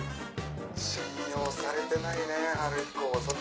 信用されてないね晴彦。